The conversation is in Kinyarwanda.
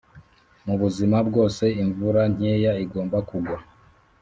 mubuzima bwose imvura nkeya igomba kugwa